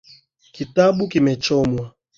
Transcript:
Kitabu kimechomwa